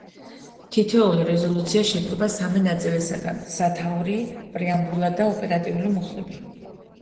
თითოეული რეზოლუცია შედგება სამი ნაწილისგან: სათაური, პრეამბულა და ოპერატიული მუხლები.